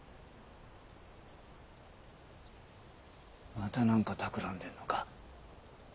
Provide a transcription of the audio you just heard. またなんかたくらんでるのか？